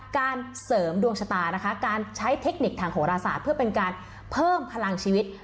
การเสริมดวงชะตานะคะการใช้เทคนิคทางโหรศาสตร์เพื่อเป็นการเพิ่มพลังชีวิต